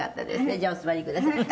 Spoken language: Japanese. じゃあお座りください」